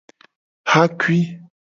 Xakui.